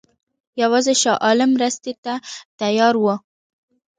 یوازې شاه عالم مرستې ته تیار وو.